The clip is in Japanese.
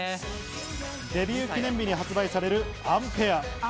デビュー記念日に発売される『アン／ペア』。